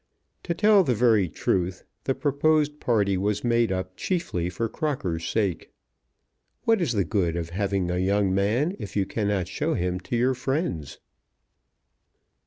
To tell the very truth, the proposed party was made up chiefly for Crocker's sake. What is the good of having a young man if you cannot show him to your friends?